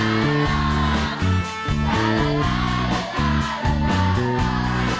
เอ่ยป้องรักน้องสาวบนเข้ายาย